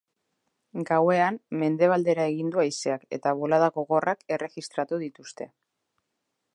Gauean, mendebaldera egin du haizeak eta bolada gogorrak erregistratu dituzte.